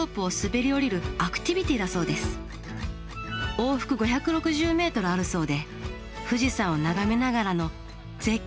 往復５６０ｍあるそうで富士山を眺めながらの絶景